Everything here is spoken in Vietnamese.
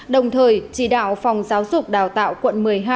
đồng thời chỉ đạo phòng giáo dục đào tạo quận một mươi hai